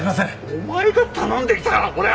お前が頼んできたから俺は！